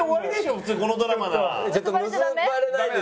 普通このドラマなら。